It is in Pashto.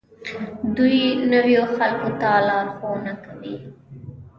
دوی نویو خلکو ته لارښوونه کوي.